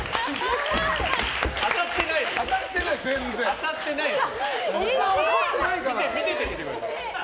当たってないよ。